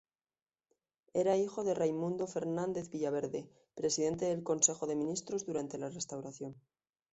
Era hijo de Raimundo Fernández Villaverde, presidente del Consejo de Ministros durante la Restauración.